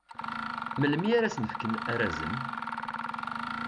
Melmi ara sen-fken arazen?